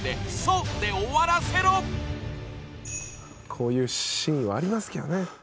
こういうシーンはありますけどね。